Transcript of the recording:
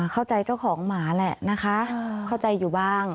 เข้าใจเจ้าของหมาแหละนะคะเข้าใจอยู่บ้าง